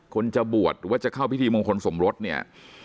จะบวชหรือว่าจะเข้าพิธีมงคลสมรสเนี่ย